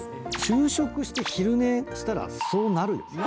昼食して昼寝したらそうなるよね。